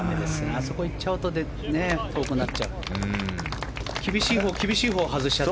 あそこ行っちゃうと遠くなっちゃう。